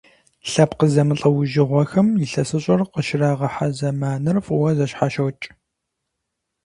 Лъэпкъ зэмылӀэужьыгъуэхэм ИлъэсыщӀэр къыщрагъэхьэ зэманыр фӀыуэ зэщхьэщокӀ.